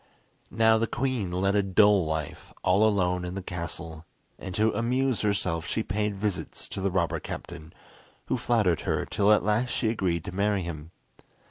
Now the queen led a dull life all alone in the castle, and to amuse herself she paid visits to the robber captain, who flattered her till at last she agreed to marry him.